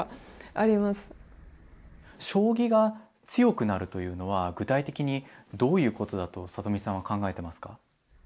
将棋が強くなるというのは具体的にどういうことだと里見さんは考えてますか？